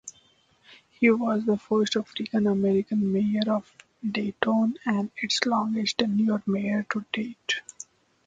He was the first African-American mayor of Dayton and its longest-tenured mayor to date.